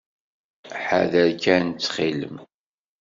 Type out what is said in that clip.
Ḥader kan, ttxil-m.